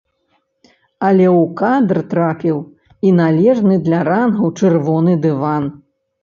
Але ў кадр трапіў і належны для рангу чырвоны дыван.